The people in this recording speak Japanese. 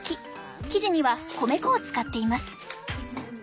生地には米粉を使っています。